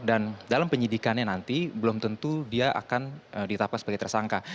dalam penyidikannya nanti belum tentu dia akan ditetapkan sebagai tersangka